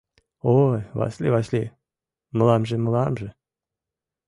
- Ой, Васли-Васли, мыламже-мыламже